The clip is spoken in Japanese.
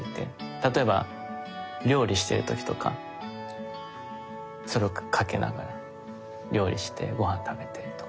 例えば料理している時とかそれをかけながら料理してご飯食べてとかね。